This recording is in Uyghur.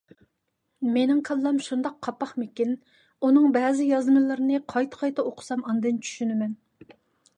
مېنىڭ كاللام شۇنداق قاپاقمىكىن، ئۇنىڭ بەزى يازمىلىرىنى قايتا-قايتا ئوقۇسام ئاندىن چۈشىنىمەن.